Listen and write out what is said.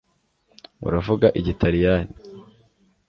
uravuga igitaliyani